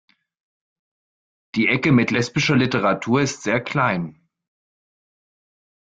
Die Ecke mit lesbischer Literatur ist sehr klein.